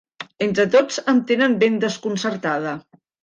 Entre tots em tenen ben desconcertada.